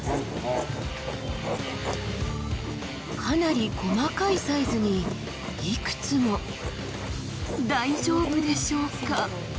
かなり細かいサイズにいくつも大丈夫でしょうか？